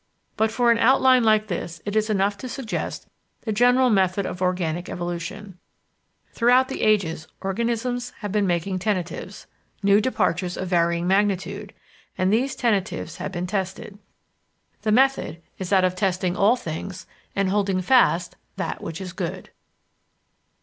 But for an outline like this it is enough to suggest the general method of organic evolution: Throughout the ages organisms have been making tentatives new departures of varying magnitude and these tentatives have been tested. The method is that of testing all things and holding fast that which is good.